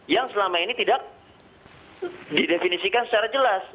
yang selama ini tidak didefinisikan secara jelas